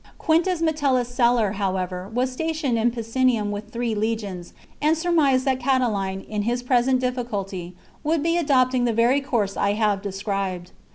Quintus Me tellus Celer, however, was stationed in Picenum with three legions, and surmised that Catiline, in his present difficulty, would be adopting the very course I have described.